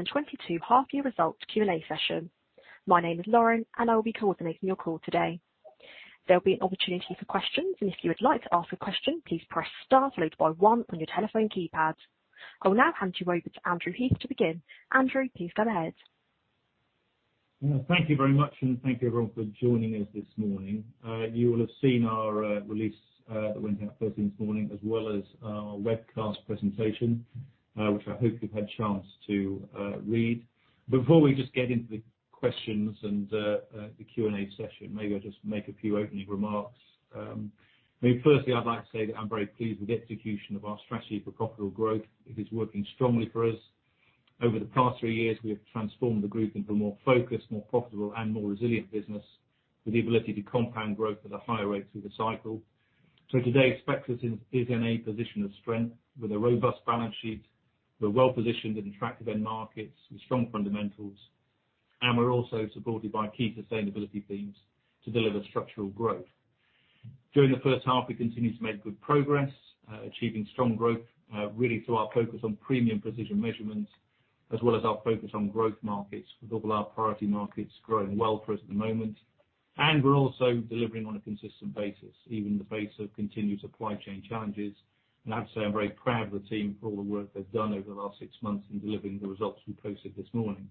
2022 half year results Q&A session. My name is Lauren, and I will be coordinating your call today. There'll be an opportunity for questions, and if you would like to ask a question, please press star followed by one on your telephone keypad. I will now hand you over to Andrew Heath to begin. Andrew, please go ahead. Thank you very much, and thank you everyone for joining us this morning. You will have seen our release that went out early this morning, as well as our webcast presentation, which I hope you've had a chance to read. Before we just get into the questions and the Q&A session, maybe I'll just make a few opening remarks. I mean, firstly, I'd like to say that I'm very pleased with the execution of our strategy for profitable growth. It is working strongly for us. Over the past three years, we have transformed the Group into a more focused, more profitable, and more resilient business with the ability to compound growth at a higher rate through the cycle. Today, Spectris is in a position of strength with a robust balance sheet. We're well-positioned in attractive end markets with strong fundamentals, and we're also supported by key sustainability themes to deliver structural growth. During the first half, we continued to make good progress, achieving strong growth, really through our focus on premium precision measurements, as well as our focus on growth markets, with all our priority markets growing well for us at the moment. We're also delivering on a consistent basis, even in the face of continued supply chain challenges. I have to say, I'm very proud of the team for all the work they've done over the last six months in delivering the results we posted this morning.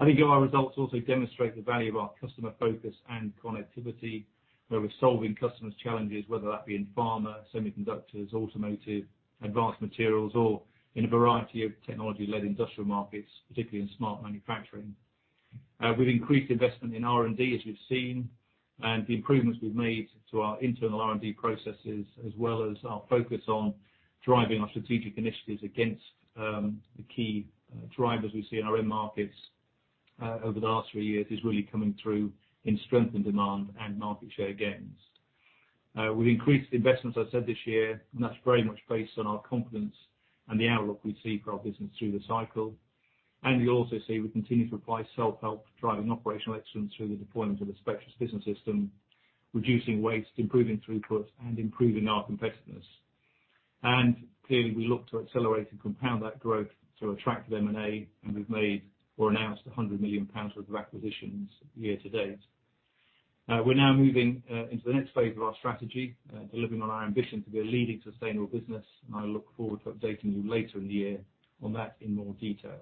I think our results also demonstrate the value of our customer focus and connectivity, where we're solving customers challenges, whether that be in pharma, semiconductors, automotive, advanced materials, or in a variety of technology-led industrial markets, particularly in smart manufacturing. We've increased investment in R&D, as you've seen, and the improvements we've made to our internal R&D processes as well as our focus on driving our strategic initiatives against, the key drivers we see in our end markets, over the last three years is really coming through in strength and demand and market share gains. We increased the investments, I said this year, and that's very much based on our confidence and the outlook we see for our business through the cycle. You'll also see we continue to apply self-help, driving operational excellence through the deployment of the Spectris Business System, reducing waste, improving throughput, and improving our competitiveness. Clearly, we look to accelerate and compound that growth through attractive M&A, and we've made or announced 100 million pounds worth of acquisitions year to date. We're now moving into the next phase of our strategy, delivering on our ambition to be a leading sustainable business. I look forward to updating you later in the year on that in more detail.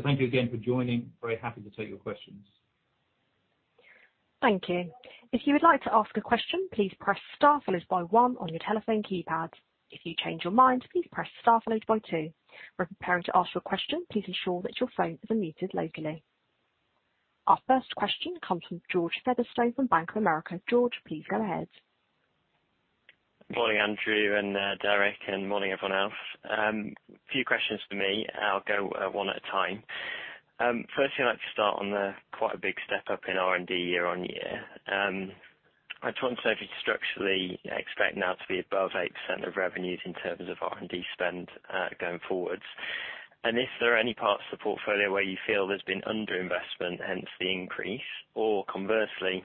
Thank you again for joining. Very happy to take your questions. Thank you. If you would like to ask a question, please press star followed by one on your telephone keypad. If you change your mind, please press star followed by two. When preparing to ask your question, please ensure that your phone is unmuted locally. Our first question comes from George Featherstone from Bank of America. George, please go ahead. Morning, Andrew and Derek, and morning everyone else. A few questions for me. I'll go one at a time. Firstly, I'd like to start on the quite a big step up in R&D year-on-year. I just wanted to know if you structurally expect now to be above 8% of revenues in terms of R&D spend going forwards. If there are any parts of the portfolio where you feel there's been underinvestment, hence the increase, or conversely,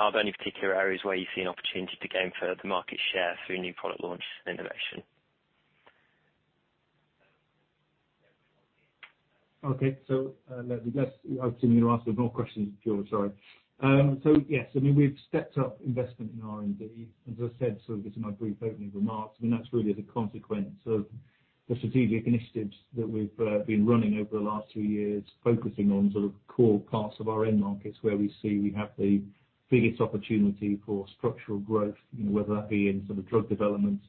are there any particular areas where you see an opportunity to gain further market share through new product launch and innovation? I assume you're gonna ask some more questions, George. Sorry. Yes, I mean, we've stepped up investment in R&D, as I said, sort of in my brief opening remarks. I mean, that's really as a consequence of the strategic initiatives that we've been running over the last two years, focusing on sort of core parts of our end markets where we see we have the biggest opportunity for structural growth. You know, whether that be in sort of drug development,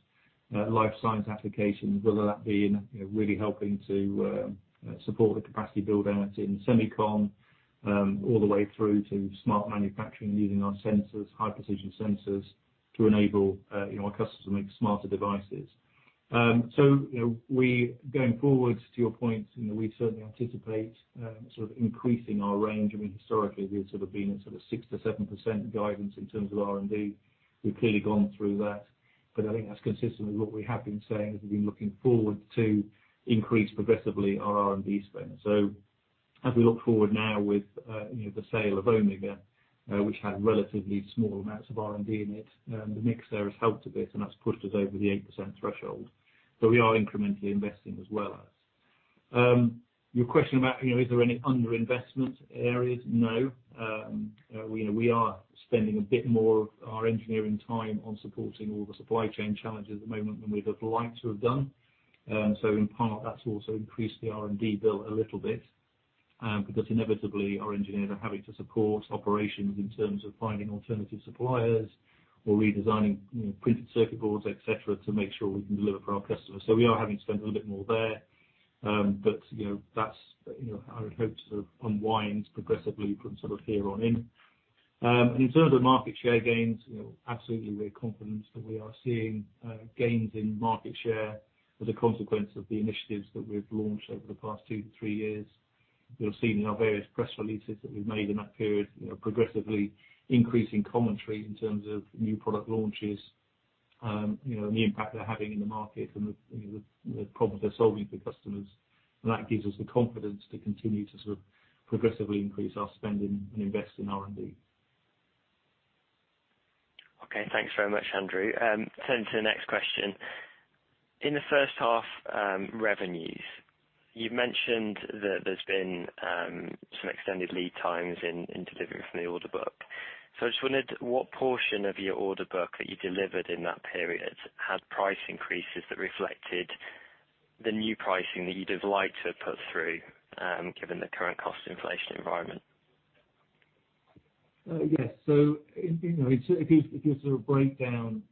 life science applications, whether that be in, you know, really helping to support the capacity build out in semicon, all the way through to smart manufacturing using our sensors, high precision sensors, to enable, you know, our customers to make smarter devices. Going forwards to your point, you know, we certainly anticipate sort of increasing our range. I mean, historically, we've sort of been in sort of 6%-7% guidance in terms of R&D. We've clearly gone through that, but I think that's consistent with what we have been saying, as we've been looking forward to increase progressively our R&D spend. As we look forward now with, you know, the sale of Omega, which had relatively small amounts of R&D in it, the mix there has helped a bit, and that's pushed us over the 8% threshold. We are incrementally investing as well. Your question about, you know, is there any underinvestment areas? No. You know, we are spending a bit more of our engineering time on supporting all the supply chain challenges at the moment than we'd have liked to have done. In part, that's also increased the R&D bill a little bit, because inevitably our engineers are having to support operations in terms of finding alternative suppliers or redesigning, you know, printed circuit boards, et cetera, to make sure we can deliver for our customers. We are having to spend a little bit more there. You know, that's, you know, I would hope to unwind progressively from sort of here on in. In terms of market share gains, you know, absolutely we're confident that we are seeing gains in market share as a consequence of the initiatives that we've launched over the past two to three years. You'll have seen in our various press releases that we've made in that period, you know, progressively increasing commentary in terms of new product launches, you know, and the impact they're having in the market and the problems they're solving for customers. That gives us the confidence to continue to sort of progressively increase our spending and invest in R&D. Okay, thanks very much, Andrew. Turn to the next question. In the first half, revenues, you've mentioned that there's been some extended lead times in delivering from the order book. I just wondered what portion of your order book that you delivered in that period had price increases that reflected the new pricing that you'd have liked to have put through, given the current cost inflation environment? Yes. You know, if you sort of break down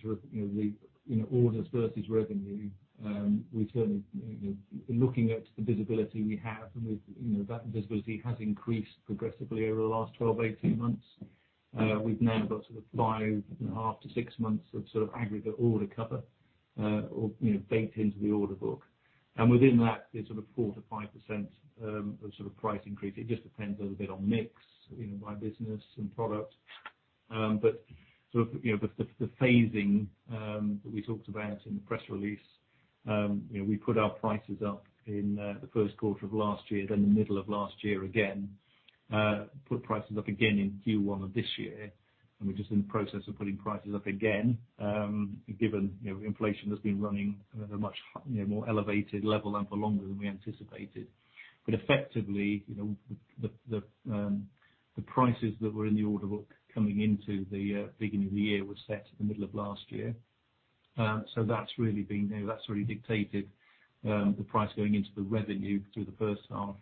sort of you know the you know orders versus revenue, we certainly you know looking at the visibility we have, and we've you know that visibility has increased progressively over the last 12-18 months. We've now got sort of five and a half to six months of sort of aggregate order cover, or you know baked into the order book. Within that is sort of 4%-5% of sort of price increase. It just depends a little bit on mix, you know by business and product. Sort of you know the phasing that we talked about in the press release, you know we put our prices up in the first quarter of last year, then the middle of last year again. Put prices up again in Q1 of this year, and we're just in the process of putting prices up again, given you know inflation has been running at a much you know more elevated level and for longer than we anticipated. Effectively, you know, the prices that were in the order book coming into the beginning of the year were set at the middle of last year. That's really been you know that's really dictated the price going into the revenue through the first half.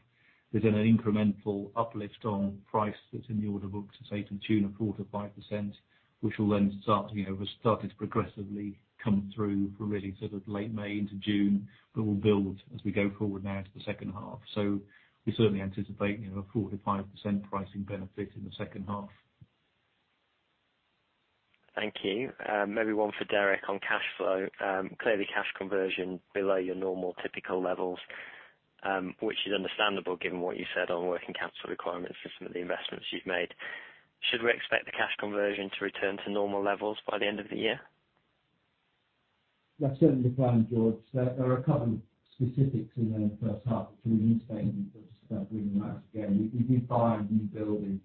There's been an incremental uplift on price that's in the order book to say to the tune of 4%-5%, which will then start you know has started to progressively come through from really sort of late May into June, but will build as we go forward now into the second half. We certainly anticipate, you know, a 4%-5% pricing benefit in the second half. Thank you. Maybe one for Derek on cash flow. Clearly cash conversion below your normal typical levels, which is understandable given what you said on working capital requirements for some of the investments you've made. Should we expect the cash conversion to return to normal levels by the end of the year? That's certainly the plan, George. There are a couple of specifics in the first half, which we didn't state, but just bringing that out again. We did buy a new building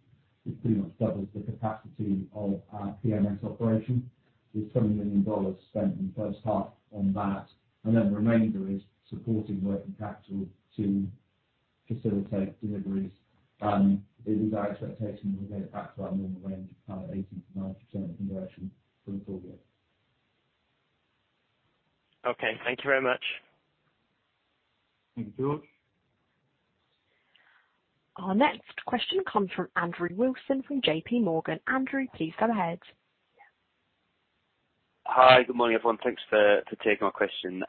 which pretty much doubles the capacity of our PMS operation. There's $20 million spent in the first half on that, and then the remainder is supporting working capital to facilitate deliveries. It is our expectation we'll go back to our normal range of kind of 80%-90% conversion for the full year. Okay, thank you very much. Thank you, George. Our next question comes from Andrew Wilson from JPMorgan. Andrew, please go ahead. Hi, good morning, everyone. Thanks for taking my question.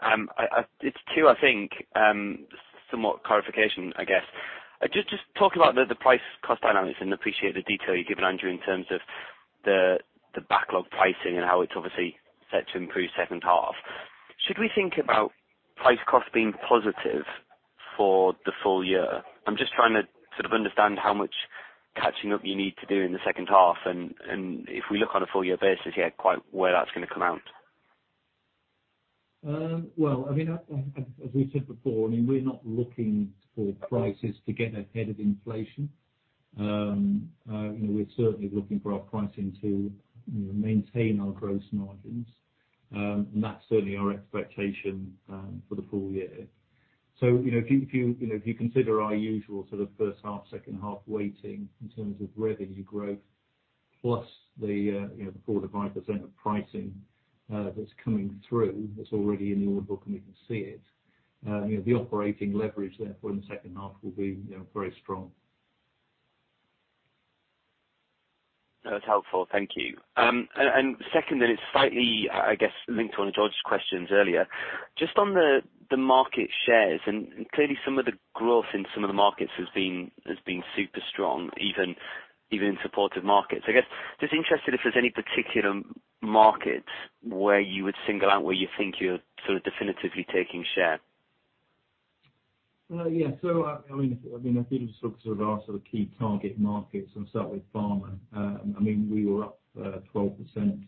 It's two, I think, somewhat clarification, I guess. Just talk about the price cost dynamics and appreciate the detail you gave Andrew in terms of the backlog pricing and how it's obviously set to improve second half. Should we think about price cost being positive for the full year? I'm just trying to sort of understand how much catching up you need to do in the second half and if we look on a full year basis, yeah, quite where that's gonna come out. Well, I mean, as we said before, I mean, we're not looking for prices to get ahead of inflation. You know, we're certainly looking for our pricing to, you know, maintain our gross margins. That's certainly our expectation for the full year. You know, if you consider our usual sort of first half, second half weighting in terms of revenue growth, plus the 4%-5% of pricing that's coming through, that's already in the order book, and we can see it, you know, the operating leverage therefore in the second half will be, you know, very strong. That's helpful, thank you. Second, it's slightly, I guess, linked to one of George's questions earlier. Just on the market shares, and clearly some of the growth in some of the markets has been super strong, even in supportive markets. I guess, just interested if there's any particular markets where you would single out where you think you're sort of definitively taking share. I think if you sort of look at our key target markets and start with pharma, we were up 12%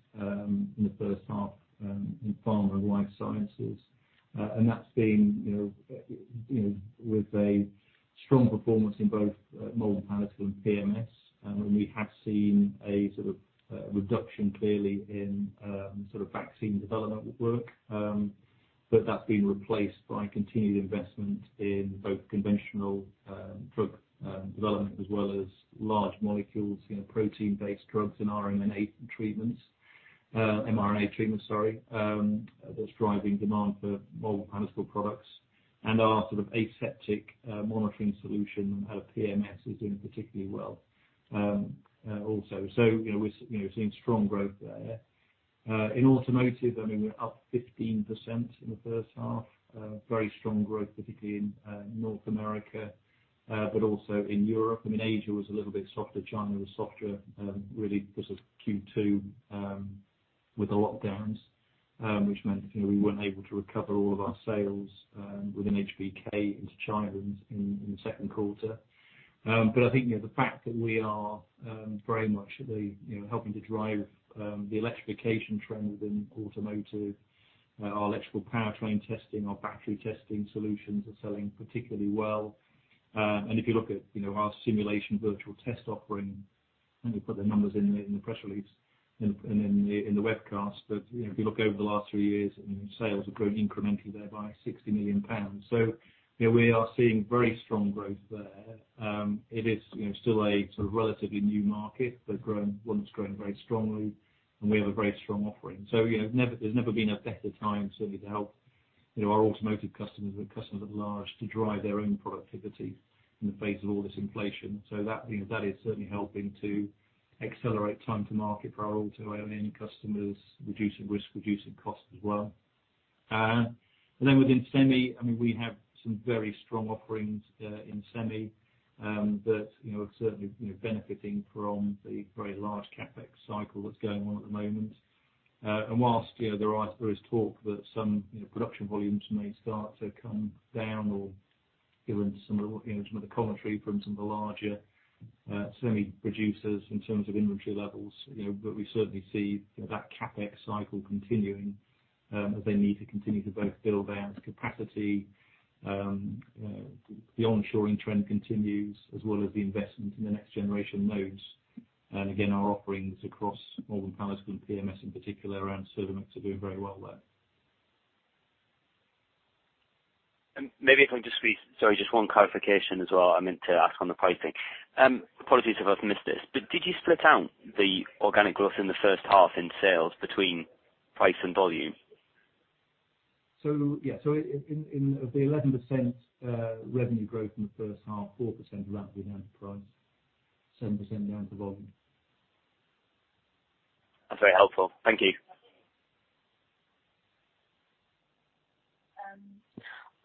and we have a very strong offering. You know, there's never been a better time certainly to help, you know, our automotive customers and customers at large to drive their own productivity in the face of all this inflation. That, you know, that is certainly helping to accelerate time to market for our auto OEM customers, reducing risk, reducing cost as well. Within semi, I mean, we have some very strong offerings in semi that you know are certainly you know benefiting from the very large CapEx cycle that's going on at the moment. While you know there is talk that some you know production volumes may start to come down or given some of you know some of the commentary from some of the larger semi producers in terms of inventory levels you know but we certainly see that CapEx cycle continuing as they need to continue to both build out capacity the onshoring trend continues as well as the investment in the next generation nodes. Our offerings across Malvern Panalytical and PMS in particular around Servomex are doing very well there. Maybe if I can just squeeze, sorry, just one clarification as well I meant to ask on the pricing. Apologies if I've missed this, but did you split out the organic growth in the first half in sales between price and volume? Of the 11% revenue growth in the first half, 4% due to price, 7% due to volume. That's very helpful. Thank you.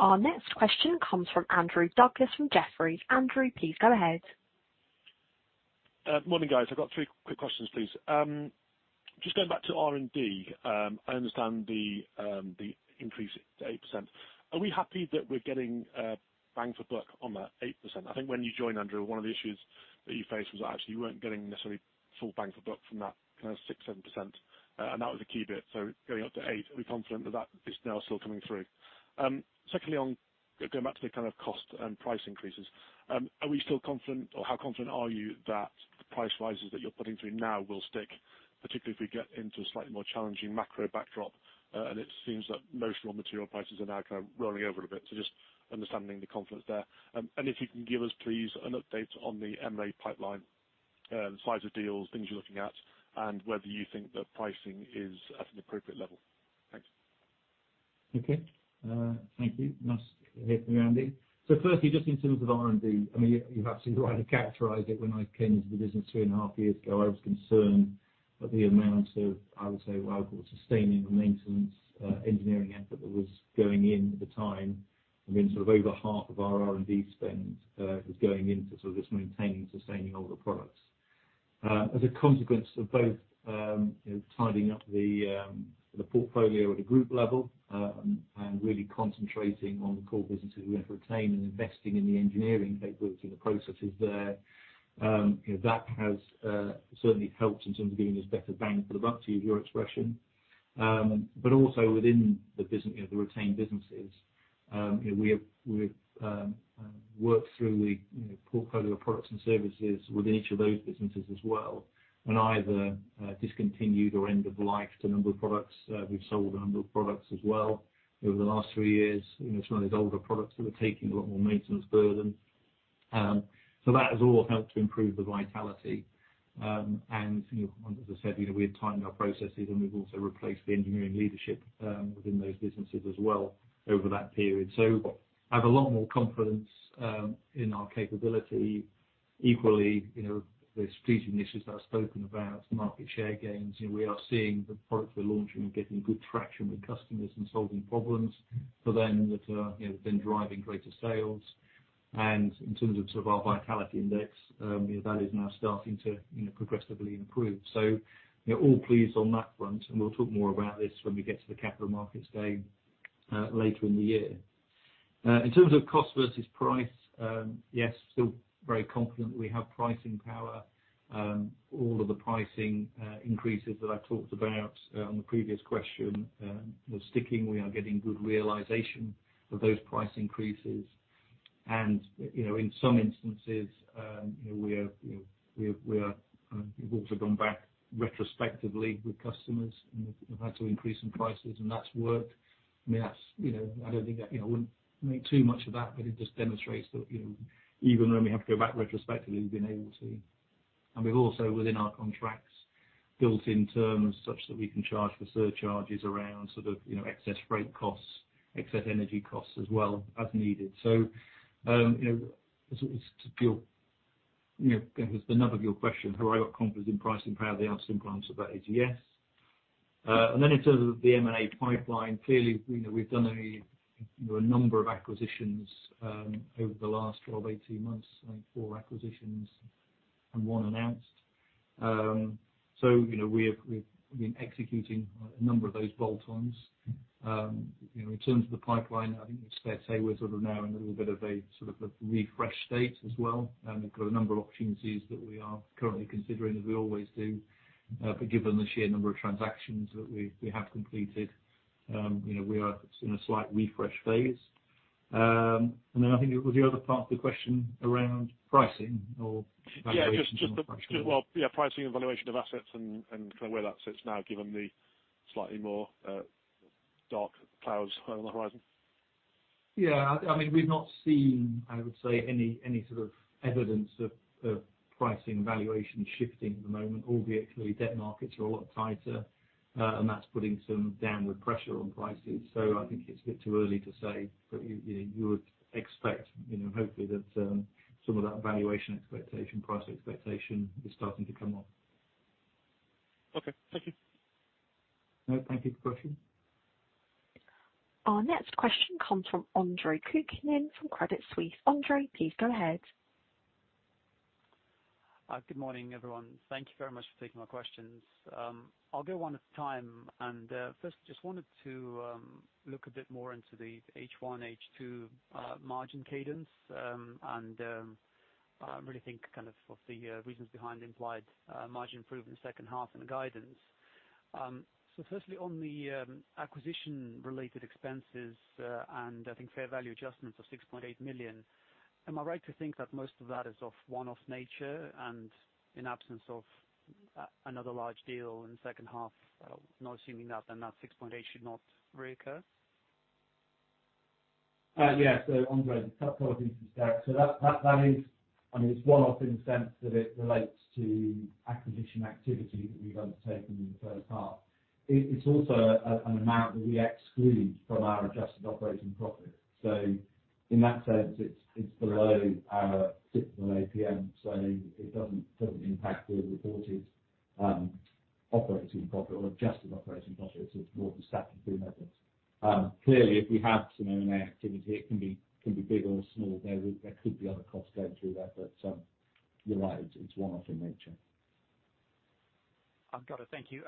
Our next question comes from Andrew Douglas from Jefferies. Andrew, please go ahead. Morning, guys. I've got 3 quick questions, please. Just going back to R&D, I understand the increase to 8%. Are we happy that we're getting bang for buck on that 8%? I think when you joined Andrew, one of the issues that you faced was that actually you weren't getting necessarily full bang for buck from that kind of 6%-7%. And that was a key bit. Going up to 8%, are we confident that that is now still coming through? Secondly, on going back to the kind of cost and price increases, are we still confident or how confident are you that the price rises that you're putting through now will stick, particularly if we get into a slightly more challenging macro backdrop, and it seems that most raw material prices are now kind of rolling over a bit, so just understanding the confidence there? If you can give us, please, an update on the M&A pipeline, the size of deals, things you're looking at and whether you think that pricing is at an appropriate level. Thanks. Okay. Thank you. Nice hearing from you, Andy. Firstly, just in terms of R&D, I mean, you're absolutely right to characterize it when I came to the business 3.5 years ago, I was concerned at the amount of, I would say, what I would call sustaining the maintenance engineering effort that was going in at the time. I mean, sort of over half of our R&D spend was going into sort of just maintaining and sustaining older products. As a consequence of both, you know, tidying up the portfolio at a Group level, and really concentrating on the core businesses we want to retain and investing in the engineering capabilities and the processes there, you know, that has certainly helped in terms of giving us better bang for the buck, to use your expression. Also within the business, you know, the retained businesses, you know, we've worked through the portfolio of products and services within each of those businesses as well, and either discontinued or end of life to a number of products. We've sold a number of products as well over the last three years, you know, some of these older products that are taking a lot more maintenance burden. That has all helped to improve the vitality. You know, as I said, you know, we had timed our processes, and we've also replaced the engineering leadership within those businesses as well over that period. I have a lot more confidence in our capability. Equally, you know, the strategic initiatives that I've spoken about, market share gains, you know, we are seeing the products we're launching and getting good traction with customers and solving problems for them that are, you know, then driving greater sales. In terms of sort of our vitality index, you know, that is now starting to, you know, progressively improve. You know, we're all pleased on that front, and we'll talk more about this when we get to the Capital Markets Day, later in the year. In terms of cost versus price, yes, still very confident we have pricing power. All of the pricing increases that I talked about on the previous question are sticking. We are getting good realization of those price increases. You know, in some instances, you know, we've also gone back retrospectively with customers, and we've had to increase some prices, and that's worked. I mean, that's, you know, I don't think I, you know, wouldn't make too much of that, but it just demonstrates that, you know, even when we have to go back retrospectively, we've been able to. We've also, within our contracts, built in terms such that we can charge for surcharges around sort of, you know, excess freight costs, excess energy costs as well as needed. You know, to the nub of your question, have I got confidence in pricing power? The answer, in answer to that is yes. In terms of the M&A pipeline, clearly, you know, we've done a, you know, a number of acquisitions over the last 12, 18 months, I think four acquisitions and one announced. So you know, we've been executing a number of those bolt-ons. You know, in terms of the pipeline, I think it's fair to say we're sort of now in a little bit of a, sort of a refresh state as well. We've got a number of opportunities that we are currently considering, as we always do. But given the sheer number of transactions that we have completed, you know, we are in a slight refresh phase. I think it was the other part of the question around pricing or valuation. Yeah, just. Well, yeah, pricing and valuation of assets and kind of where that sits now given the slightly more dark clouds on the horizon? Yeah. I mean, we've not seen, I would say, any sort of evidence of pricing valuation shifting at the moment. Albeit clearly debt markets are a lot tighter, and that's putting some downward pressure on pricing. I think it's a bit too early to say. You would expect, you know, hopefully that some of that valuation expectation, price expectation is starting to come off. Okay. Thank you. No, thank you for the question. Our next question comes from André Kukhnin from Credit Suisse. André, please go ahead. Good morning, everyone. Thank you very much for taking my questions. I'll go one at a time. First just wanted to look a bit more into the H1, H2 margin cadence. Really think kind of what the reasons behind the implied margin improvement in the second half and the guidance. First, on the acquisition-related expenses, and I think fair value adjustments of 6.8 million, am I right to think that most of that is of one-off nature and in absence of another large deal in the second half, not assuming that, then that 6.8 million should not reoccur? Yeah. André, apologies for that. That is, I mean, it's one-off in the sense that it relates to acquisition activity that we've undertaken in the first half. It's also an amount that we exclude from our adjusted operating profit. In that sense, it's below our typical APM, so it doesn't impact the reported operating profit or adjusted operating profit. It's more of a statutory method. Clearly, if we have some M&A activity, it can be big or small. There could be other costs going through that. You're right, it's one-off in nature. I've got it. Thank you.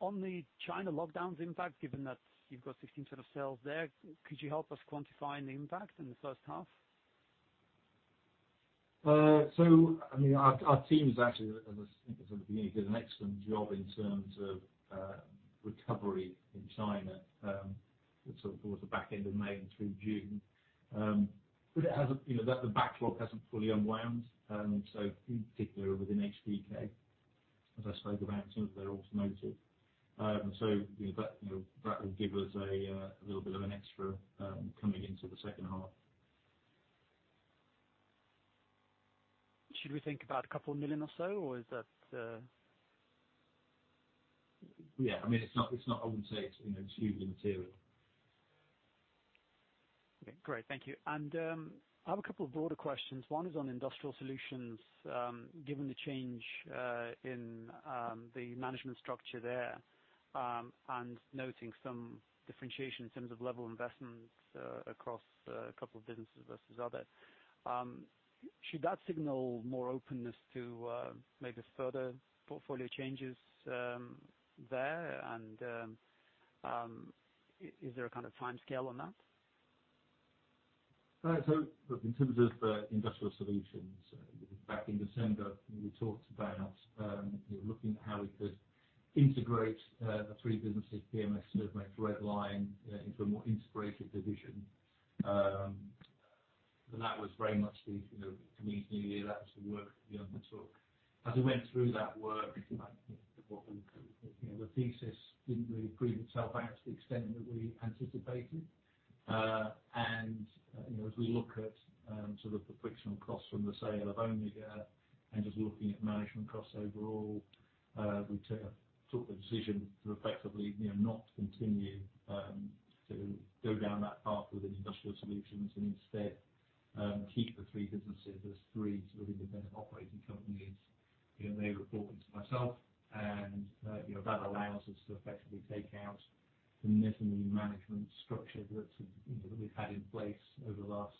On the China lockdowns impact, given that you've got 16% of sales there, could you help us quantify the impact in the first half? I mean, our team has actually, as I think I said at the beginning, did an excellent job in terms of recovery in China, sort of towards the back end of May and through June. It hasn't, you know, the backlog hasn't fully unwound, in particular within HBK, as I spoke about some of their automotive. That, you know, that will give us a little bit of an extra coming into the second half. Should we think about 2 million or so, or is that? Yeah, I mean, it's not. I wouldn't say it's, you know, hugely material. Okay, great. Thank you. I have a couple of broader questions. One is on Industrial Solutions. Given the change in the management structure there, and noting some differentiation in terms of level of investment across a couple of businesses versus others, should that signal more openness to maybe further portfolio changes there and is there a kind of timescale on that? In terms of Industrial Solutions, back in December, we talked about looking at how we could integrate the three businesses, PMS, Servomex, Red Lion into a more integrated division. That was very much, you know, coming into the new year, the work that we undertook. As we went through that work, you know, the thesis didn't really prove itself out to the extent that we anticipated. You know, as we look at sort of the frictional costs from the sale of Omega and just looking at management costs overall, we took the decision to effectively, you know, not continue to go down that path with Industrial Solutions and instead keep the three businesses as three sort of independent operating companies. You know, they report into myself and, you know, that allows us to effectively take out the intermediary management structure that, you know, we've had in place over the last,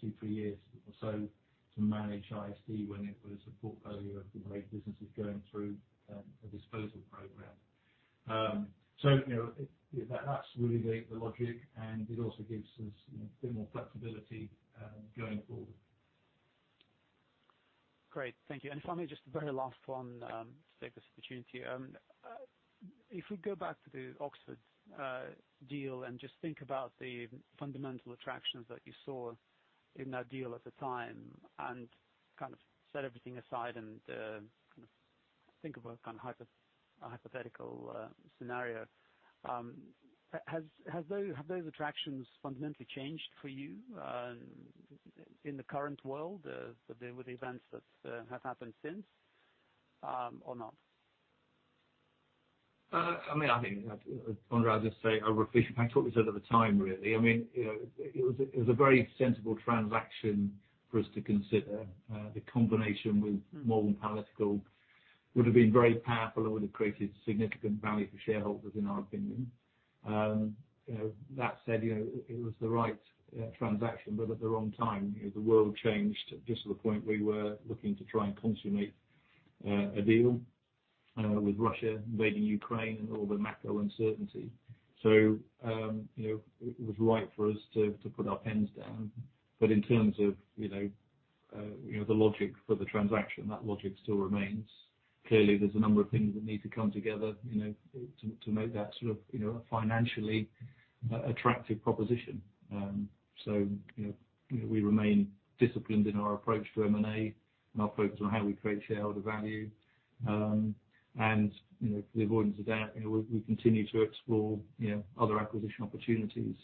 two, three years or so to manage ISD when it was a portfolio of the right businesses going through a disposal program. You know, that's really the logic, and it also gives us a bit more flexibility going forward. Great. Thank you. If I may, just the very last one, to take this opportunity. If we go back to the Oxford Instruments deal and just think about the fundamental attractions that you saw in that deal at the time and kind of set everything aside and, kind of think of a kind of hypothetical scenario, have those attractions fundamentally changed for you, in the current world, with the events that have happened since, or not? I mean, I think, André, I'll just say I repeat back what we said at the time, really. I mean, you know, it was a very sensible transaction for us to consider. The combination with Malvern Panalytical would have been very powerful. It would have created significant value for shareholders, in our opinion. You know, that said, you know, it was the right transaction, but at the wrong time. You know, the world changed just to the point we were looking to try and consummate a deal with Russia invading Ukraine and all the macro uncertainty. You know, it was right for us to put our pens down. In terms of, you know, the logic for the transaction, that logic still remains. Clearly, there's a number of things that need to come together, you know, to make that sort of, you know, financially attractive proposition. You know, we remain disciplined in our approach to M&A and are focused on how we create shareholder value. You know, for the avoidance of doubt, you know, we continue to explore, you know, other acquisition opportunities.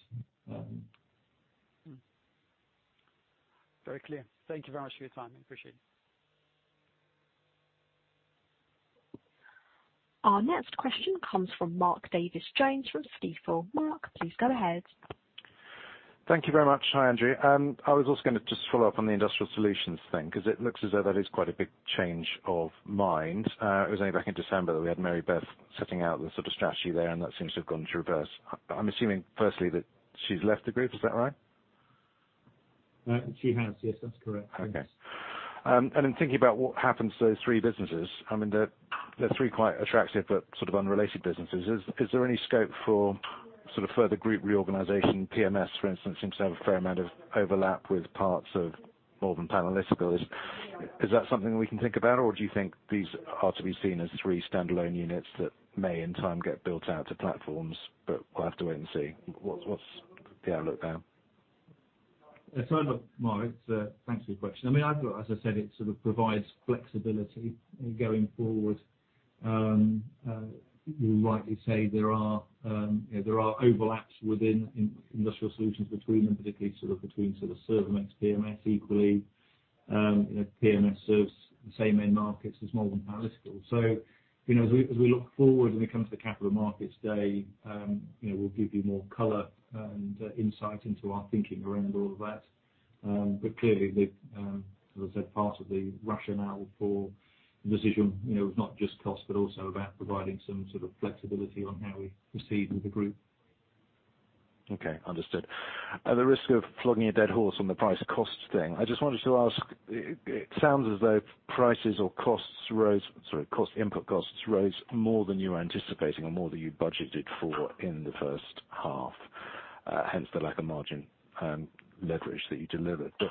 Very clear. Thank you very much for your time. Appreciate it. Our next question comes from Mark Davies Jones from Stifel. Mark, please go ahead. Thank you very much. Hi, Andrew. I was also gonna just follow up on the Industrial Solutions thing, because it looks as though that is quite a big change of mind. It was only back in December that we had Mary Beth setting out the sort of strategy there, and that seems to have gone to reverse. I'm assuming, firstly, that she's left the Group. Is that right? She has, yes, that's correct. Okay. In thinking about what happens to those three businesses, I mean, they're three quite attractive but sort of unrelated businesses. Is there any scope for sort of further Group reorganization? PMS, for instance, seems to have a fair amount of overlap with parts of Malvern Panalytical. Is that something we can think about, or do you think these are to be seen as three standalone units that may in time get built out to platforms, but we'll have to wait and see? What's the outlook there? Look, Mark, thanks for your question. I mean, I feel, as I said, it sort of provides flexibility in going forward. You rightly say there are overlaps within Industrial Solutions between them, particularly sort of between sort of Servomex, PMS equally. You know, PMS serves the same end markets as Malvern Panalytical. You know, as we look forward when it comes to Capital Markets Day, you know, we'll give you more color and insight into our thinking around all of that. But clearly, as I said, part of the rationale for the decision, you know, was not just cost, but also about providing some sort of flexibility on how we proceed with the Group. Okay, understood. At the risk of flogging a dead horse on the price cost thing, I just wanted to ask, it sounds as though input costs rose more than you were anticipating or more than you budgeted for in the first half, hence the lack of margin leverage that you delivered. But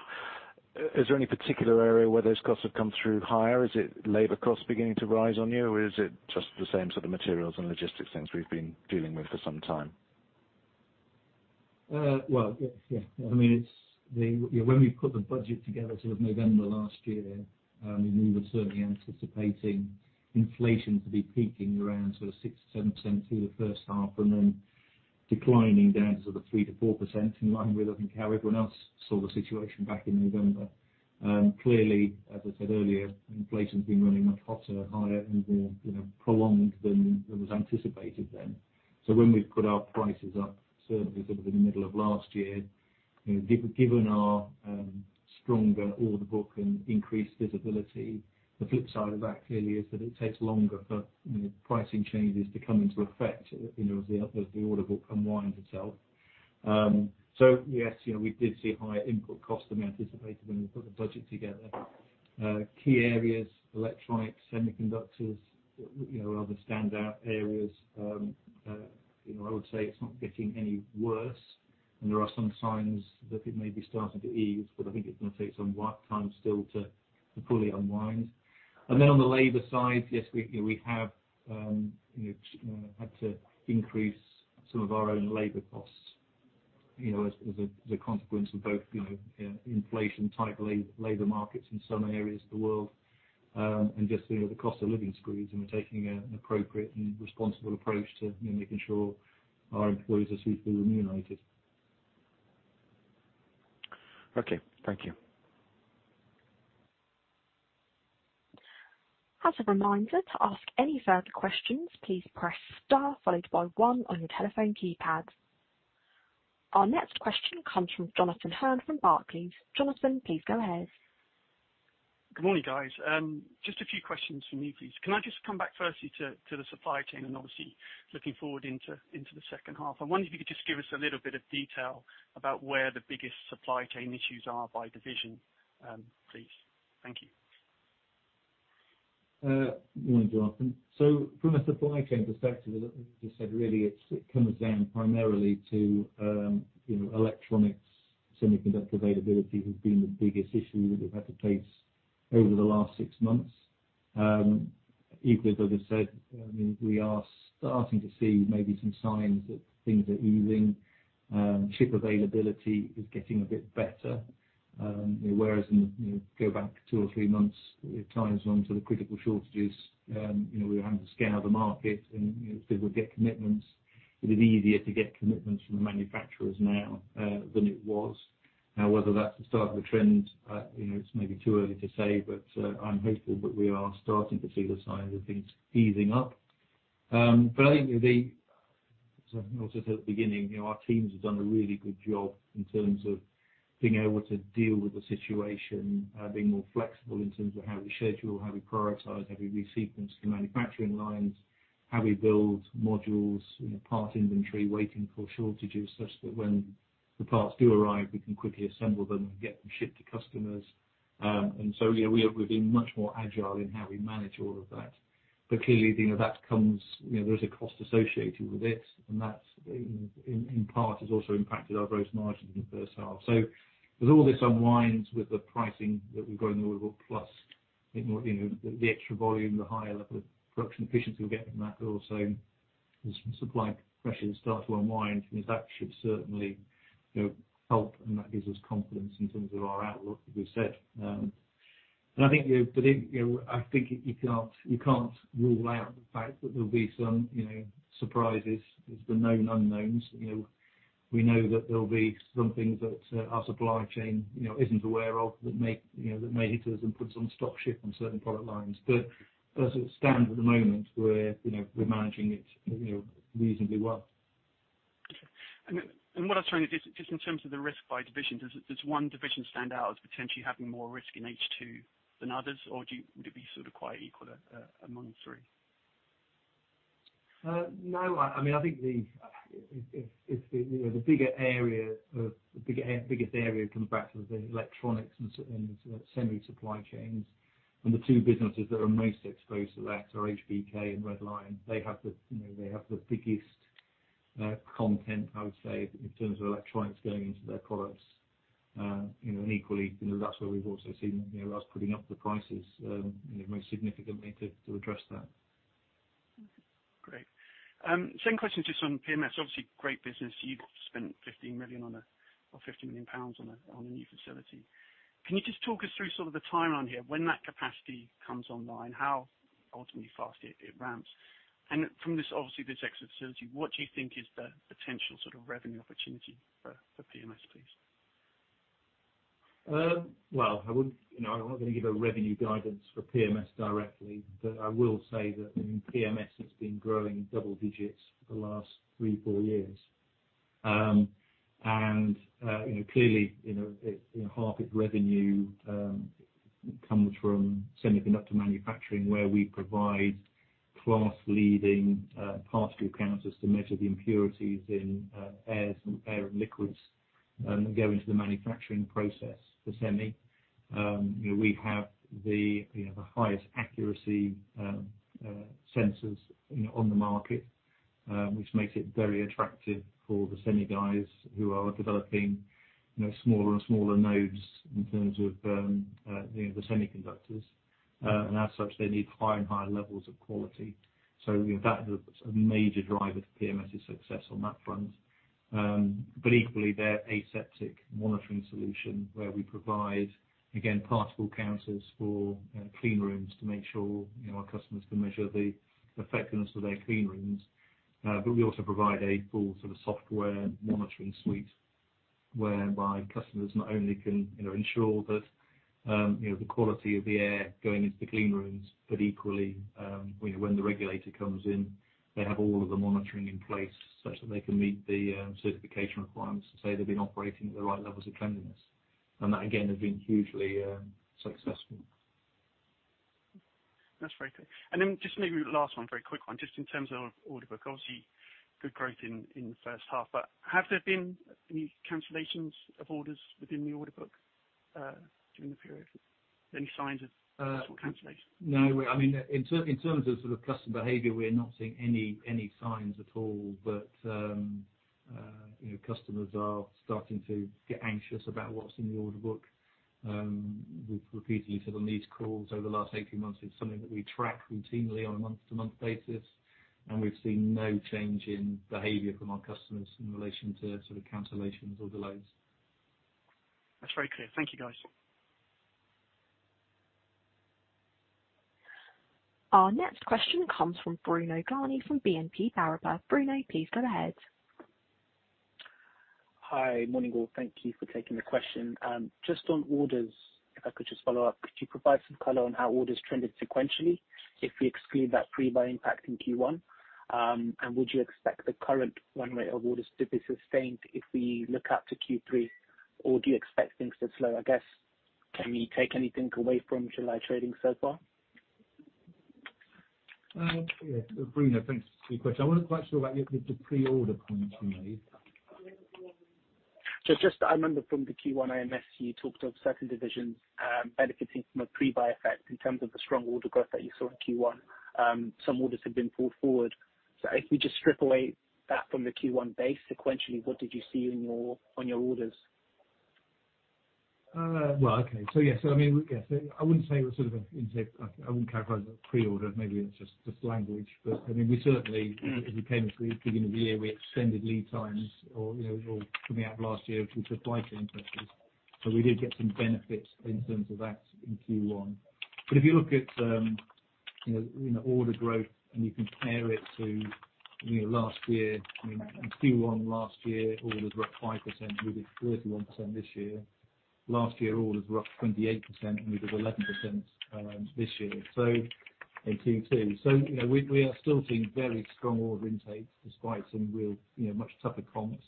is there any particular area where those costs have come through higher? Is it labor costs beginning to rise on you, or is it just the same sort of materials and logistics things we've been dealing with for some time? Well, yeah. I mean, when we put the budget together sort of November last year, we were certainly anticipating inflation to be peaking around sort of 6%-7% through the first half and then declining down to the 3%-4%, in line with how everyone else saw the situation back in November. Clearly, as I said earlier, inflation has been running much hotter, higher and more, you know, prolonged than was anticipated then. When we put our prices up, certainly sort of in the middle of last year, you know, given our stronger order book and increased visibility, the flip side of that clearly is that it takes longer for, you know, pricing changes to come into effect, you know, as the order book unwinds itself. Yes, you know, we did see higher input costs than we anticipated when we put the budget together. Key areas, electronics, semiconductors, you know, other standout areas, you know, I would say it's not getting any worse, and there are some signs that it may be starting to ease, but I think it's going to take some time still to fully unwind. On the labor side, yes, we have had to increase some of our own labor costs, you know, as a consequence of both, you know, inflation, tight labor markets in some areas of the world, and just, you know, the cost of living squeeze, and we're taking an appropriate and responsible approach to, you know, making sure our employees are suitably remunerated. Okay. Thank you. As a reminder, to ask any further questions, please press star followed by one on your telephone keypad. Our next question comes from Jonathan Hurn from Barclays. Jonathan, please go ahead. Good morning, guys. Just a few questions from me, please. Can I just come back firstly to the supply chain and obviously looking forward into the second half? I wonder if you could just give us a little bit of detail about where the biggest supply chain issues are by division, please. Thank you. Good morning, Jonathan. From a supply chain perspective, as I just said, really, it comes down primarily to you know, electronics. Semiconductor availability has been the biggest issue that we've had to face over the last six months. Equally, as I said, I mean, we are starting to see maybe some signs that things are easing. Chip availability is getting a bit better. Whereas in, you know, go back two or three months, at times when sort of critical shortages, you know, we were having to scour the market and, you know, still get commitments. It is easier to get commitments from the manufacturers now, than it was. Now, whether that's the start of a trend, you know, it's maybe too early to say, but, I'm hopeful that we are starting to see the signs of things easing up. As I said at the beginning, you know, our teams have done a really good job in terms of being able to deal with the situation, being more flexible in terms of how we schedule, how we prioritize, how we resequence the manufacturing lines, how we build modules, you know, part inventory, waiting for shortages, such that when the parts do arrive, we can quickly assemble them and get them shipped to customers. You know, we have, we're being much more agile in how we manage all of that. Clearly, you know, that comes, you know, there is a cost associated with it, and that's, in part, has also impacted our gross margins in the first half. As all this unwinds with the pricing that we've got in the order book, plus, you know, the extra volume, the higher level of production efficiency we get from that also, as supply pressures start to unwind, that should certainly, you know, help, and that gives us confidence in terms of our outlook, as we've said. I think but in, you know, I think you can't rule out the fact that there'll be some, you know, surprises. There's the known unknowns. You know? We know that there'll be some things that our supply chain, you know, isn't aware of that may hit us and put some stop ship on certain product lines. As it stands at the moment, we're, you know, managing it, you know, reasonably well. Just in terms of the risk by division, does one division stand out as potentially having more risk in H2 than others, or would it be sort of quite equal among the three? No. I mean, I think the biggest area comes back to the electronics and semi supply chains. The two businesses that are most exposed to that are HBK and Red Lion. They have the, you know, the biggest content, I would say, in terms of electronics going into their products. You know, equally, you know, that's where we've also seen, you know, us putting up the prices, you know, most significantly to address that. Great. Same question just on PMS. Obviously, great business. You've spent 15 million or 15 million pounds on a new facility. Can you just talk us through sort of the timeline here? When that capacity comes online, how ultimately fast it ramps? From this, obviously, this extra facility, what do you think is the potential sort of revenue opportunity for PMS, please? Well, I wouldn't, you know, I'm not gonna give a revenue guidance for PMS directly, but I will say that, I mean, PMS has been growing double digits for the last three, four years. You know, clearly, you know, it, you know, half its revenue comes from semiconductor manufacturing, where we provide class-leading particle counters to measure the impurities in air and liquids that go into the manufacturing process for semi. You know, we have the, you know, the highest accuracy sensors, you know, on the market, which makes it very attractive for the semi guys who are developing, you know, smaller and smaller nodes in terms of, you know, the semiconductors. As such, they need higher and higher levels of quality. You know, that is a major driver for PMS's success on that front. Equally, their aseptic monitoring solution, where we provide, again, particle counters for clean rooms to make sure, you know, our customers can measure the effectiveness of their clean rooms. We also provide a full sort of software monitoring suite, whereby customers not only can, you know, ensure that the quality of the air going into the clean rooms, but equally, you know, when the regulator comes in, they have all of the monitoring in place such that they can meet the certification requirements to say they've been operating at the right levels of cleanliness. That, again, has been hugely successful. That's very clear. Then just maybe last one, very quick one, just in terms of order book. Obviously, good growth in the first half, but have there been any cancellations of orders within the order book during the period? Any signs of- Uh- -cancellation? No. I mean, in terms of sort of customer behavior, we're not seeing any signs at all that, you know, customers are starting to get anxious about what's in the order book. We've repeatedly said on these calls over the last 18 months, it's something that we track routinely on a month-to-month basis, and we've seen no change in behavior from our customers in relation to sort of cancellations or delays. That's very clear. Thank you, guys. Our next question comes from Bruno Gjani from BNP Paribas. Bruno, please go ahead. Hi. Morning, all. Thank you for taking the question. Just on orders, if I could just follow up. Could you provide some color on how orders trended sequentially if we exclude that pre-buy impact in Q1? Would you expect the current run rate of orders to be sustained if we look out to Q3? Do you expect things to slow? I guess, can you take anything away from July trading so far? Yeah. Bruno, thanks for your question. I wasn't quite sure about your, the pre-order point you made. I just remember from the Q1 IMS, you talked of certain divisions benefiting from a pre-buy effect in terms of the strong order growth that you saw in Q1. Some orders had been pulled forward. If we just strip away that from the Q1 base sequentially, what did you see in your orders? Well, okay. Yes, I mean, yes. I wouldn't say it was sort of a, you know, I wouldn't characterize it as a pre-order. Maybe it's just language. I mean, we certainly- Mm-hmm. As we came to the beginning of the year, we extended lead times or coming out of last year, which had supply chain pressures. We did get some benefits in terms of that in Q1. If you look at you know order growth and you compare it to you know last year, I mean, in Q1 last year, orders were up 5%, we did 31% this year. Last year, orders were up 28%, and we did 11% this year in Q2. You know, we are still seeing very strong order intake despite some real you know much tougher comps.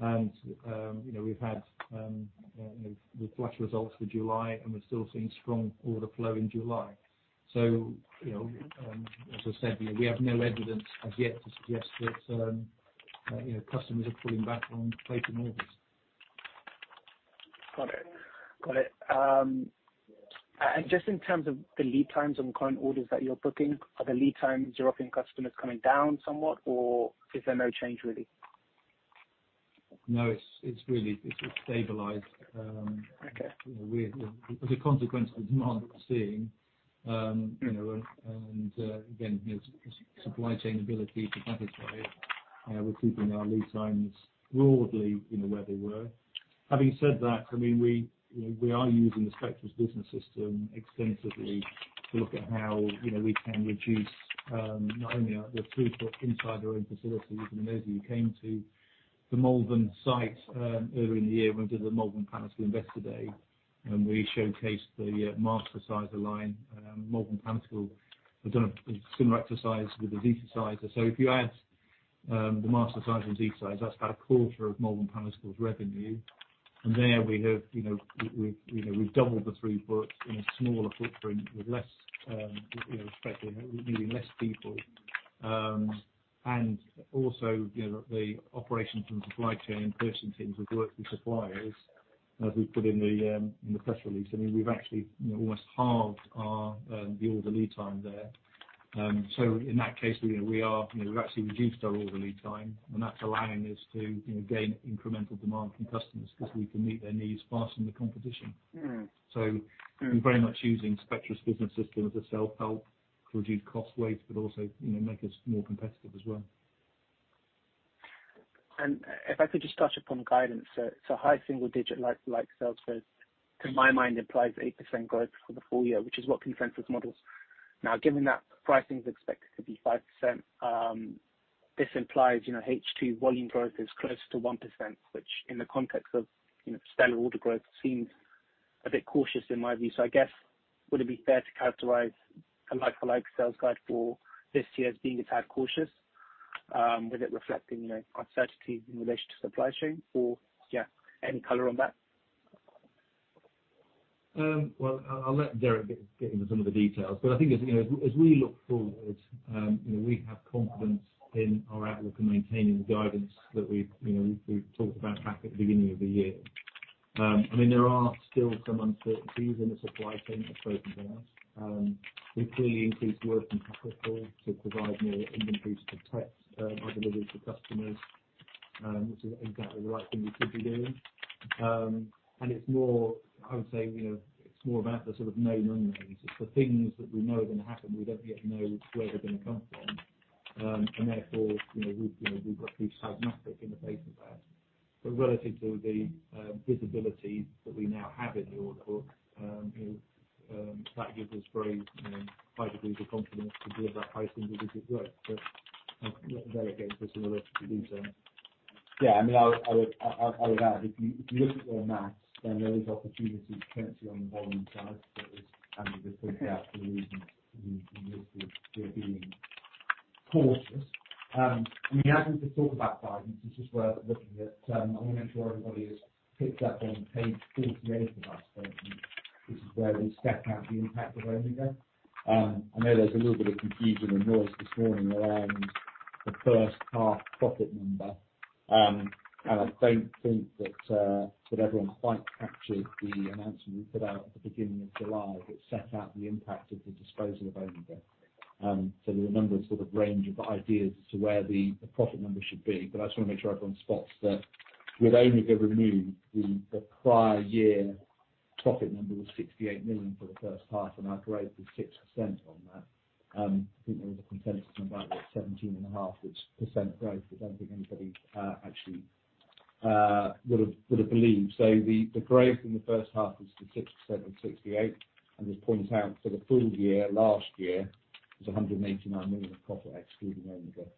You know, we've had the flash results for July, and we're still seeing strong order flow in July. You know, as I said, you know, we have no evidence as yet to suggest that, you know, customers are pulling back on placing orders. Got it. Just in terms of the lead times on current orders that you're booking, are the lead times European customers coming down somewhat, or is there no change really? No, it's really stabilized. Okay. You know, we're as a consequence of the demand that we're seeing, you know, and again, you know, supply chain ability to satisfy, we're keeping our lead times broadly, you know, where they were. Having said that, I mean, we are using the Spectris Business System extensively to look at how, you know, we can reduce not only our the throughput inside our own facilities. Those of you who came to the Malvern site earlier in the year when we did the Malvern Panalytical Investor Day, and we showcased the Mastersizer line. Malvern Panalytical have done a similar exercise with the Zetasizer. So if you add the Mastersizer and Zetasizer, that's about a quarter of Malvern Panalytical's revenue. There we have, you know, we've doubled the throughput in a smaller footprint with less, you know, specs, you know, needing less people. Also, you know, the operations and supply chain personnel teams have worked with suppliers as we put in the press release. I mean, we've actually, you know, almost halved our order lead time there. In that case, you know, we've actually reduced our order lead time, and that's allowing us to, you know, gain incremental demand from customers 'cause we can meet their needs faster than the competition. Mm. We're very much using Spectris Business System as a self-help to reduce cost rates, but also, you know, make us more competitive as well. If I could just touch upon guidance. High single digit like sales growth to my mind implies 8% growth for the full year, which is what consensus models. Now, given that pricing is expected to be 5%, this implies, you know, H2 volume growth is closer to 1%, which in the context of, you know, stellar order growth seems a bit cautious in my view. I guess, would it be fair to characterize a like-for-like sales guide for this year as being a tad cautious, with it reflecting, you know, uncertainty in relation to supply chain? Or, yeah, any color on that? Well, I'll let Derek get into some of the details, but I think as you know, as we look forward, you know, we have confidence in our outlook and maintaining the guidance that we've, you know, talked about back at the beginning of the year. I mean, there are still some uncertainties in the supply chain, as spoken to us. We've clearly increased working capital to provide more inventories to protect our delivery to customers, which is exactly the right thing we should be doing. It's more, I would say, you know, it's more about the sort of known unknowns. It's the things that we know are gonna happen, we don't yet know where they're gonna come from. Therefore, you know, we've got to be pragmatic in the face of that. Relative to the visibility that we now have in the order book, you know, that gives us very, you know, high degrees of confidence to give that high single digit growth. I'll let Derek get into some of the details there. Yeah, I mean, I would add, if you look at our math, then there is opportunities potentially on the volume side that, as Andrew just pointed out for the reasons we listed, we are being cautious. I mean, as we just talked about guidance, it's just worth looking at. I wanna make sure everybody has picked up on page 48 of our statement. This is where we set out the impact of Omega. I know there's a little bit of confusion and noise this morning around the first half profit number. I don't think that everyone quite captured the announcement we put out at the beginning of July that set out the impact of the disposal of Omega. There were a number of sort of range of ideas as to where the profit number should be, but I just want to make sure everyone spots that with Omega revenue, the prior year profit number was 68 million for the first half, and our growth was 6% on that. I think there was a consensus of about 17.5% growth, which I don't think anybody actually would've believed. The growth in the first half was 6% and 68, and as pointed out for the full year last year, it was 189 million of profit excluding Omega.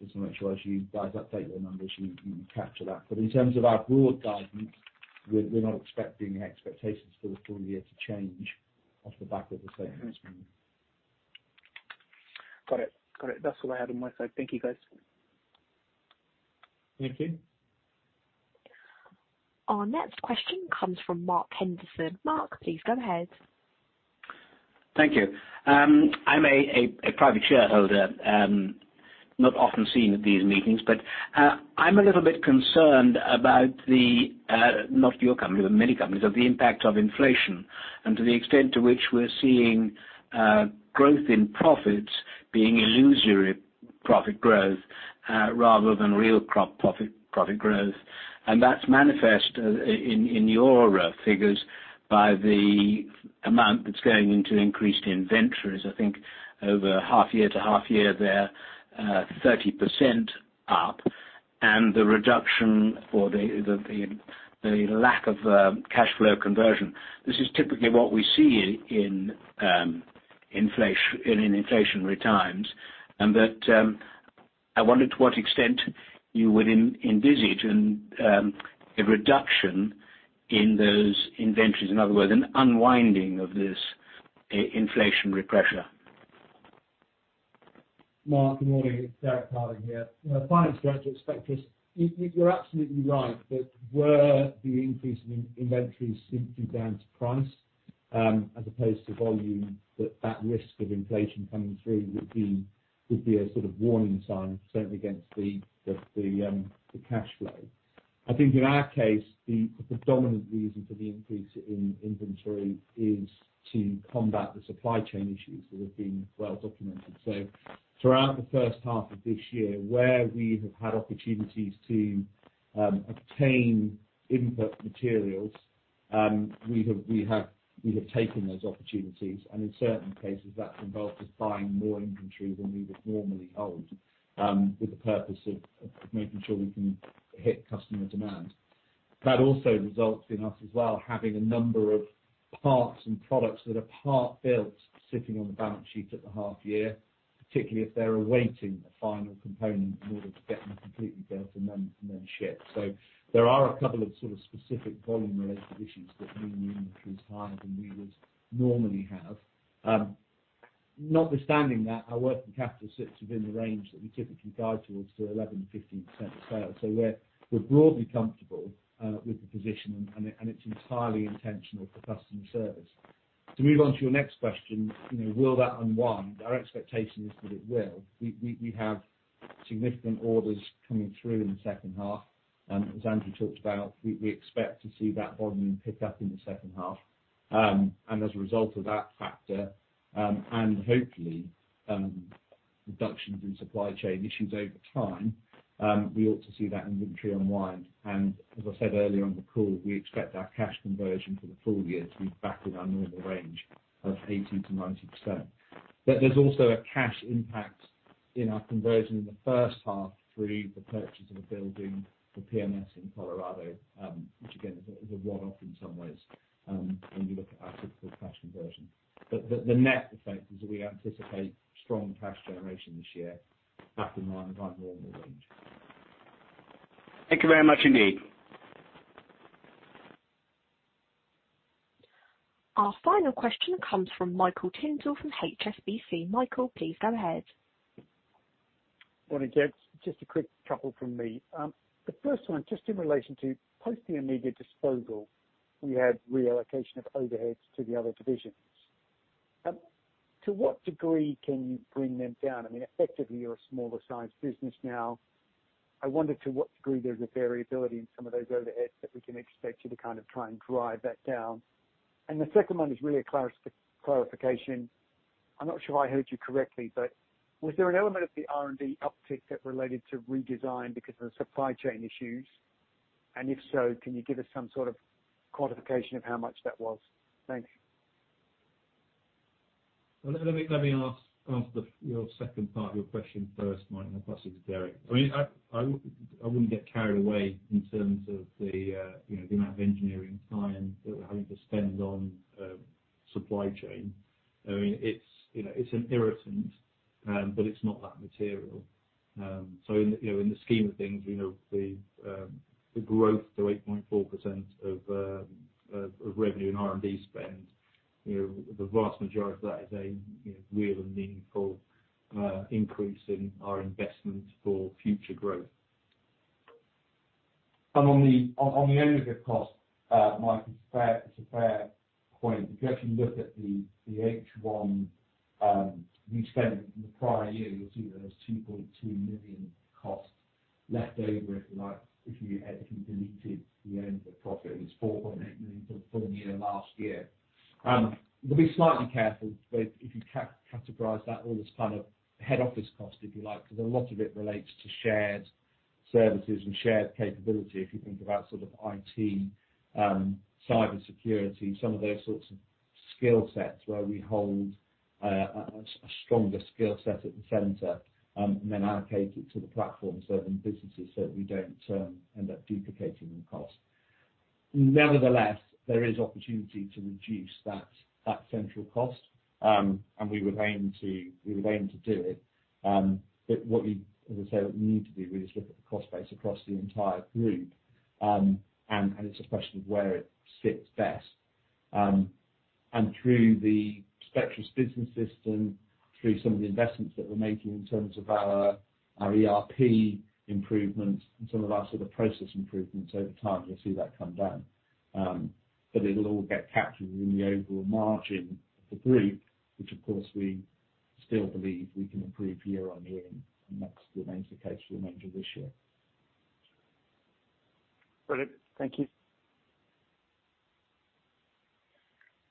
Just to make sure as you guys update your numbers, you capture that. In terms of our broad guidance, we're not expecting expectations for the full year to change off the back of the statement this morning. Got it. That's all I had on my side. Thank you, guys. Thank you. Our next question comes from Mark Henderson. Mark, please go ahead. Thank you. I'm a private shareholder, not often seen at these meetings, but I'm a little bit concerned about the not your company, but many companies, of the impact of inflation and to the extent to which we're seeing growth in profits being illusory profit growth rather than real core profit growth. That's manifest in your figures by the amount that's going into increased inventories. I think over half year to half year they're 30% up and the reduction or the lack of cash flow conversion. This is typically what we see in inflationary times, and that I wondered to what extent you would envisage a reduction in those inventories, in other words, an unwinding of this inflationary pressure. Mark, good morning. It's Derek Harding here, Finance Director at Spectris. You're absolutely right that the increase in inventories simply down to price. As opposed to volume, that risk of inflation coming through would be a sort of warning sign, certainly against the cash flow. I think in our case, the predominant reason for the increase in inventory is to combat the supply chain issues that have been well documented. Throughout the first half of this year, where we have had opportunities to obtain input materials, we have taken those opportunities, and in certain cases, that's involved us buying more inventory than we would normally hold, with the purpose of making sure we can hit customer demand. That also results in us as well, having a number of parts and products that are part-built, sitting on the balance sheet at the half year, particularly if they're awaiting a final component in order to get them completely built and then shipped. There are a couple of sort of specific volume-related issues that mean inventory is higher than we would normally have. Notwithstanding that, our working capital sits within the range that we typically guide towards, to 11%-15% of sales. We're broadly comfortable with the position and it's entirely intentional for customer service. To move on to your next question, you know, will that unwind? Our expectation is that it will. We have significant orders coming through in the second half. As Andrew talked about, we expect to see that volume pick up in the second half. As a result of that factor, and hopefully, reductions in supply chain issues over time, we ought to see that inventory unwind. As I said earlier on the call, we expect our cash conversion for the full year to be back in our normal range of 80%-90%. But there's also a cash impact in our conversion in the first half through the purchase of a building for PMS in Colorado, which again is a one-off in some ways, when you look at our typical cash conversion. But the net effect is that we anticipate strong cash generation this year back in line with our normal range. Thank you very much indeed. Our final question comes from Michael Tyndall from HSBC. Michael, please go ahead. Morning, gents. Just a quick couple from me. The first one, just in relation to post the immediate disposal, we had reallocation of overheads to the other divisions. To what degree can you bring them down? I mean, effectively, you're a smaller sized business now. I wonder to what degree there's a variability in some of those overheads that we can expect you to kind of try and drive that down. The second one is really a clarification. I'm not sure I heard you correctly, but was there an element of the R&D uptick that related to redesign because of the supply chain issues? If so, can you give us some sort of quantification of how much that was? Thanks. Let me answer your second part of your question first, Mike, and then pass you to Derek. I mean, I wouldn't get carried away in terms of the you know, the amount of engineering time that we're having to spend on supply chain. I mean, it's you know, it's an irritant, but it's not that material. In the scheme of things, you know, the growth to 8.4% of revenue and R&D spend, you know, the vast majority of that is a you know, real and meaningful increase in our investment for future growth. On the overhead cost, Mike, it's a fair point. If you actually look at the H1, we spent in the prior year, you'll see that there's GBP 2.2 million cost left over, if you like, if you had, if you deleted the overhead profit, it's GBP 4.8 million for the full year last year. You've got to be slightly careful with if you categorize that all as kind of head office cost, if you like, 'cause a lot of it relates to shared services and shared capability. If you think about sort of IT, cyber security, some of those sorts of skill sets where we hold a stronger skill set at the center, and then allocate it to the platforms serving businesses, so we don't end up duplicating the cost. Nevertheless, there is opportunity to reduce that central cost, and we would aim to do it. But as I say, what we need to do is look at the cost base across the entire Group, and it's a question of where it sits best. Through the Spectris Business System, through some of the investments that we're making in terms of our ERP improvements and some of our process improvements, over time, you'll see that come down. But it'll all get captured in the overall margin of the Group, which of course we still believe we can improve year-over-year, and that remains the case for the remainder of this year. Brilliant. Thank you.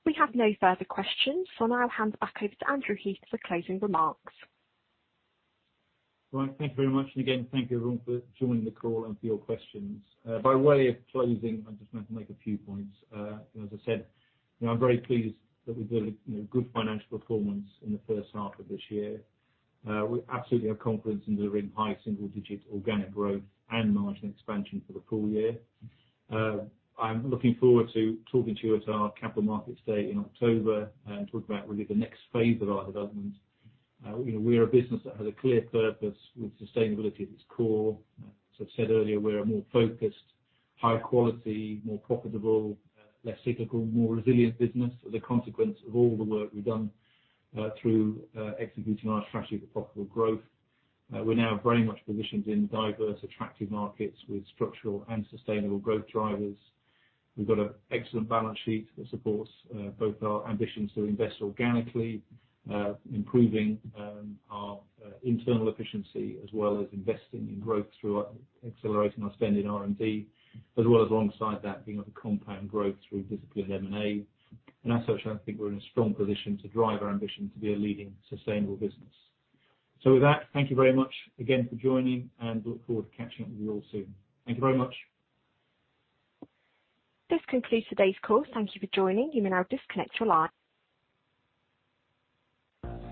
We have no further questions, so I'll hand back over to Andrew Heath for closing remarks. Right. Thank you very much. Again, thank you everyone for joining the call and for your questions. By way of closing, I'd just like to make a few points. As I said, you know, I'm very pleased that we've delivered, you know, good financial performance in the first half of this year. We absolutely have confidence in delivering high single digit organic growth and margin expansion for the full year. I'm looking forward to talking to you at our capital markets day in October and talk about really the next phase of our development. You know, we are a business that has a clear purpose with sustainability at its core. As I've said earlier, we're a more focused, high quality, more profitable, less cyclical, more resilient business as a consequence of all the work we've done through executing our strategy for profitable growth. We're now very much positioned in diverse, attractive markets with structural and sustainable growth drivers. We've got an excellent balance sheet that supports both our ambitions to invest organically, improving our internal efficiency, as well as investing in growth through accelerating our spend in R&D, as well as alongside that being able to compound growth through disciplined M&A. As such, I think we're in a strong position to drive our ambition to be a leading sustainable business. With that, thank you very much again for joining, and look forward to catching up with you all soon. Thank you very much. This concludes today's call. Thank you for joining. You may now disconnect your line.